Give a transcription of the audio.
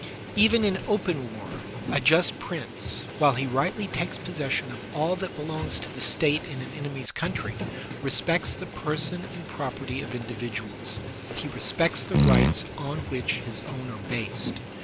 Even in open war, a just prince, while he rightly takes possession of all that belongs to the State in an enemy's country, respects the person and property of individuals; he respects the rights on which his own are based.